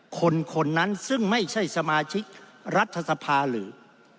คนคนนั้นซึ่งไม่ใช่สมาชิกรัฐสภาหรือ